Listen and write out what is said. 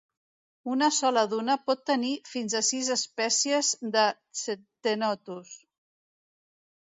Una sola duna pot tenir fins a sis espècies de "Ctenotus".